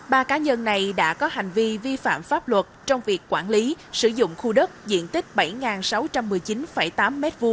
ba cá nhân này đã có hành vi vi phạm pháp luật trong việc quản lý sử dụng khu đất diện tích bảy sáu trăm một mươi chín tám m hai